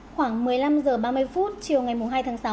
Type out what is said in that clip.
khoảng một mươi năm h ba mươi chiều ngày hai tháng sáu